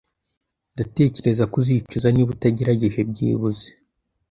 Ndatekereza ko uzicuza niba utagerageje byibuze.